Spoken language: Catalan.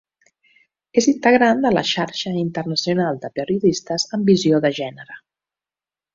És integrant de la Xarxa Internacional de Periodistes amb Visió de Gènere.